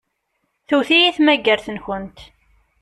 Tewwet-iyi tmagart-nkent.